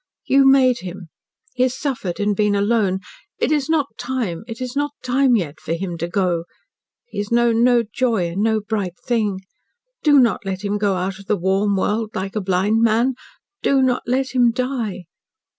You made him. He has suffered and been alone. It is not time it is not time yet for him to go. He has known no joy and no bright thing. Do not let him go out of the warm world like a blind man. Do not let him die.